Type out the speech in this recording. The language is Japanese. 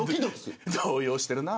動揺してるな。